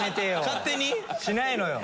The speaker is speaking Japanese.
勝手に？しないのよ。